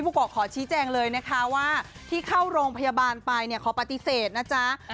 กรอกขอชี้แจงเลยนะคะว่าที่เข้าโรงพยาบาลไปเนี่ยขอปฏิเสธนะจ๊ะ